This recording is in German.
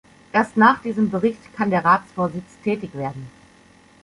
Erst nach diesem Bericht kann der Ratsvorsitz tätig werden.